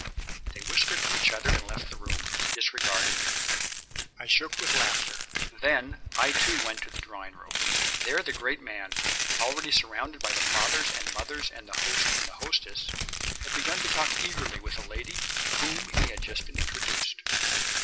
They whispered to each other and left the room, disregarding me. I shook with laughter. Then I, too, went to the drawing room. There the great man, already surrounded by the fathers and mothers and the host and the hostess, had begun to talk eagerly with a lady to whom he had just been introduced.